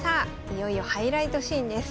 いよいよハイライトシーンです。